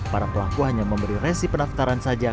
para pelaku hanya memberi resi pendaftaran saja